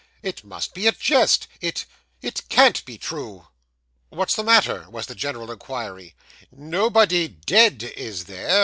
It must be a jest; it it can't be true.' 'What's the matter?' was the general inquiry. 'Nobody dead, is there?